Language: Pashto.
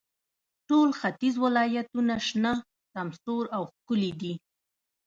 ټول ختیځ ولایتونو شنه، سمسور او ښکلي دي.